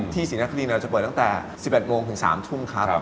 ศรีนครินเราจะเปิดตั้งแต่๑๑โมงถึง๓ทุ่มครับ